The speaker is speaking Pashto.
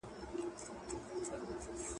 په هغه دم له بازاره وې راغلي `